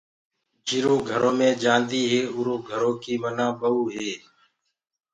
جيرو گھرو مي جآندي هي اُرو گھرو ڪي مآنآ ٻئوٚ هي۔